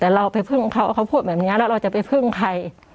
แต่เราไปพึ่งเขาเขาพูดแบบนี้แล้วเราจะไปพึ่งใคร